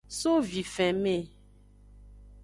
So vifenme.